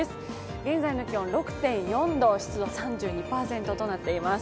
現在の気温６．４度、湿度３２％となっています。